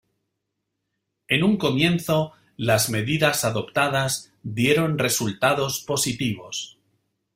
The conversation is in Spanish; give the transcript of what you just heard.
En un comienzo, las medidas adoptadas dieron resultados positivos.